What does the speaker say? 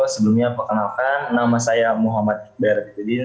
sebelumnya perkenalkan nama saya muhammad iqbaldin